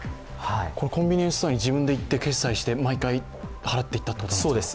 コンビニエンスストアに自分で行って決済して毎回払っていったということですか？